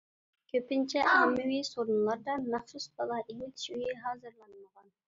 كۆپىنچە ئاممىۋى سورۇنلاردا مەخسۇس بالا ئېمىتىش ئۆيى ھازىرلانمىغان.